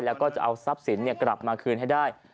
แล้วก็จะเอาทรัพย์สินกลับมาคืนให้ได้